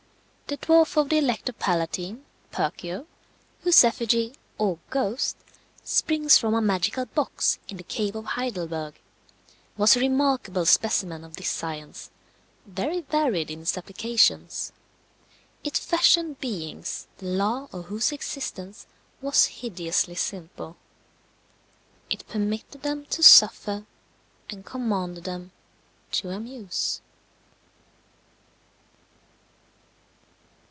The dwarf of the Elector Palatine, Perkeo, whose effigy or ghost springs from a magical box in the cave of Heidelberg, was a remarkable specimen of this science, very varied in its applications. It fashioned beings the law of whose existence was hideously simple: it permitted them to suffer, and commanded them to amuse.